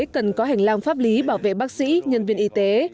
cần có hành lang pháp lý bảo vệ bác sĩ nhân viên y tế